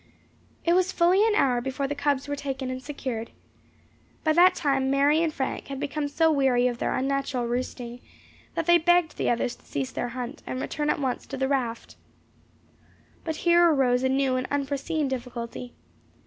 It was fully an hour before the cubs were taken and secured. By that time Mary and Frank had become so weary of their unnatural roosting, that they begged the others to cease their hunt, and return at once to the raft. But here arose a new and unforeseen difficulty.